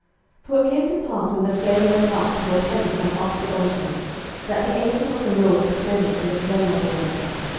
07:013:020 For it came to pass, when the flame went up toward heaven from off the altar, that the angel of the LORD ascended in the flame of the altar.